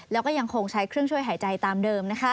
แล้วก็ยังคงใช้เครื่องช่วยหายใจตามเดิม